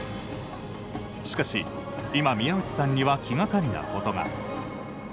しかし今、宮内さんには気がかりなことが。